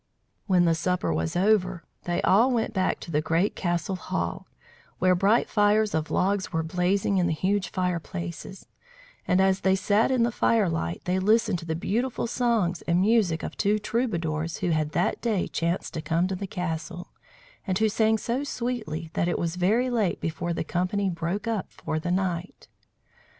When the supper was over, they all went back into the great castle hall, where bright fires of logs were blazing in the huge fireplaces; and as they sat in the firelight, they listened to the beautiful songs and music of two troubadours who had that day chanced to come to the castle, and who sang so sweetly that it was very late before the company broke up for the night.